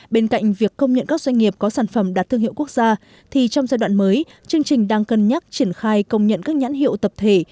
bên cạnh việc công nhận các doanh nghiệp có sản phẩm đạt thương hiệu quốc gia thì trong giai đoạn mới chương trình đang cân nhắc triển khai công nhận các nhãn hiệu tập thể